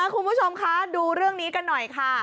คุณผู้ชมคะดูเรื่องนี้กันหน่อยค่ะ